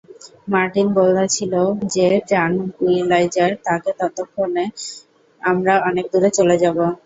Martin বলেছিলও যে tranquilliser তাকে ততক্ষণে আমরা অনেক দূরে চলে যাব।